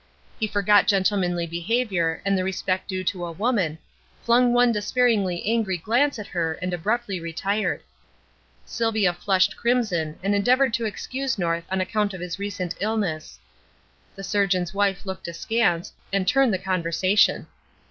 He forgot gentlemanly behaviour and the respect due to a woman, flung one despairingly angry glance at her and abruptly retired. Sylvia flushed crimson, and endeavoured to excuse North on account of his recent illness. The surgeon's wife looked askance, and turned the conversation.